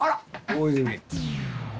大泉。